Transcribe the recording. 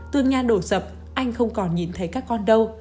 tương nha đổ dập anh không còn nhìn thấy các con đâu